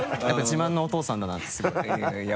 自慢のお父さんだなってすごい。